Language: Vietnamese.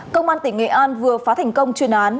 công an tỉnh nghệ an vừa phá thành công chuyên án